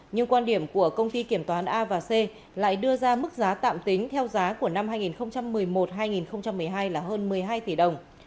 nhưng quan điểm của công ty kiểm toán a và c lại đưa ra mức giá tạm tính theo giá của năm hai nghìn một mươi một hai nghìn một mươi hai là hơn một mươi hai tỷ đồng